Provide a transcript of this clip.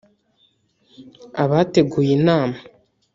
Abateguye inama